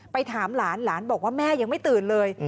ถามหลานหลานบอกว่าแม่ยังไม่ตื่นเลย